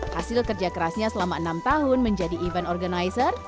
hasil kerja kerasnya selama enam tahun menjadi event organizer